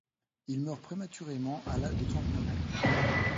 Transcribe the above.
Il meurt prématurément à l'âge de trente-neuf ans.